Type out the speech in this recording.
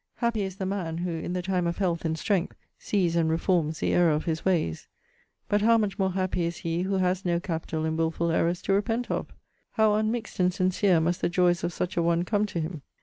'Happy is the man who, in the time of health and strength, sees and reforms the error of his ways! But how much more happy is he, who has no capital and wilful errors to repent of! How unmixed and sincere must the joys of such a one come to him!'